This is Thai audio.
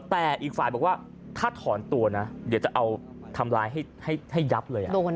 แต่อีกฝ่ายบอกว่าถ้าถอนตัวนะเดี๋ยวจะเอาทำร้ายให้ยับเลย